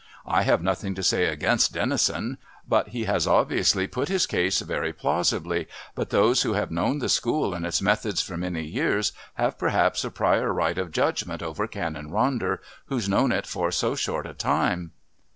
I have nothing to say against Dennison, but he has obviously put his case very plausibly, but those who have known the School and its methods for many years have perhaps a prior right of judgment over Canon Ronder, who's known it for so short a time."